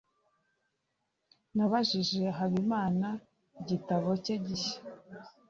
nabajije habimana igitabo cye gishya